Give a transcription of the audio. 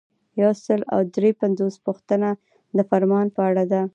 یو سل او درې پنځوسمه پوښتنه د فرمان په اړه ده.